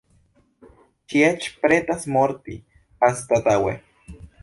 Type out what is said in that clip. Ŝi eĉ pretas morti, anstataŭe.